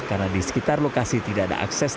karena di sekitar lokasi tidak ada akses